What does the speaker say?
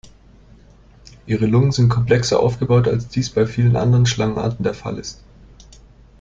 Ihre Lungen sind komplexer aufgebaut als dies bei vielen anderen Schlangenarten der Fall ist.